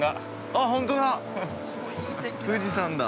◆あっ、本当だ。